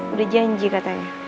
udah janji katanya